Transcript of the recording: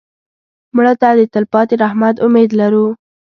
مړه ته د تلپاتې رحمت امید لرو